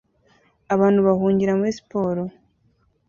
Abantu bahungira muri siporo